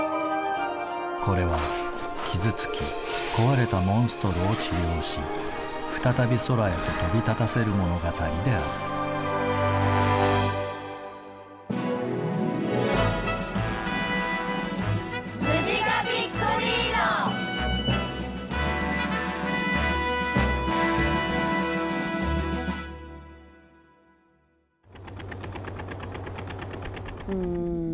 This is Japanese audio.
これは傷つき壊れたモンストロを治療し再び空へと飛び立たせる物語であるうん